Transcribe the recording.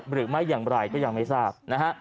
หรือไม่อย่างไรก็ยังไม่ทราบนะฮะ